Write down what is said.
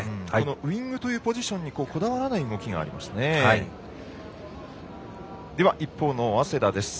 ウイングのポジションにこだわらない動きがありますね。